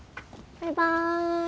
バイバーイ。